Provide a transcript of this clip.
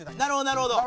なるほど。